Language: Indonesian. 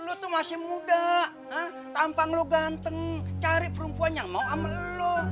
lo tuh masih muda tampang lo ganteng cari perempuan yang mau amel lo